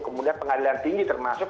kemudian pengadilan tinggi termasuk